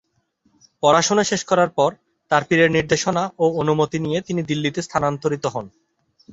পড়াশোনা শেষ করার পর তার পীরের নির্দেশনা ও অনুমতি নিয়ে তিনি দিল্লিতে স্থানান্তরিত হন।